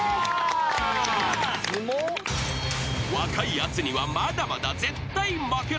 ［若いやつにはまだまだ絶対負けられない］